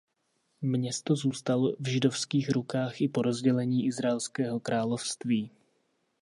Město zůstalo v židovských rukách i po rozdělení Izraelského království.